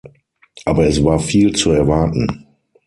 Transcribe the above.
Aber es war zu viel zu erwarten.